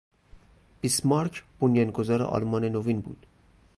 بیسمارک بنیانگزار آلمان نوین بود.